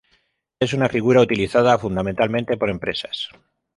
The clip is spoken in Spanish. Es una figura utilizada fundamentalmente por empresas.